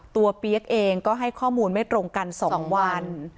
เปี๊ยกเองก็ให้ข้อมูลไม่ตรงกัน๒วัน